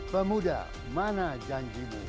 pemuda mana janjimu